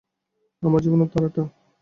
আমার জীবনের তারাটা!